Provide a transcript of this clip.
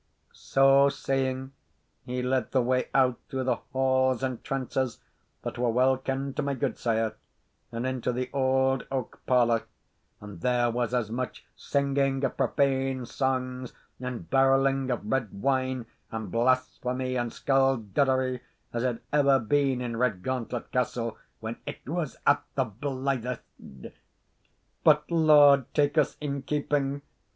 So saying, he led the way out through the halls and trances that were weel kend to my gudesire, and into the auld oak parlour; and there was as much singing of profane sangs, and birling of red wine, and blasphemy and sculduddery, as had ever been in Redgauntlet Castle when it was at the blythest. But Lord take us in keeping!